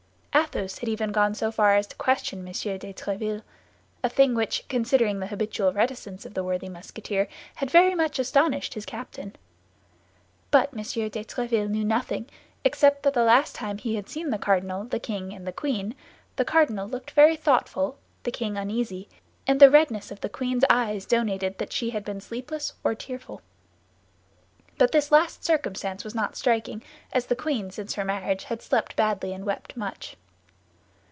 Athos had even gone so far as to question M. de Tréville—a thing which, considering the habitual reticence of the worthy Musketeer, had very much astonished his captain. But M. de Tréville knew nothing, except that the last time he had seen the cardinal, the king, and the queen, the cardinal looked very thoughtful, the king uneasy, and the redness of the queen's eyes donated that she had been sleepless or tearful. But this last circumstance was not striking, as the queen since her marriage had slept badly and wept much.